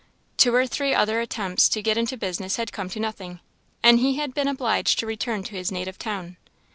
Two or three other attempts to get into business had come to nothing, and he had been obliged to return to his native town.